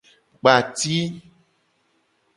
Kpa ati.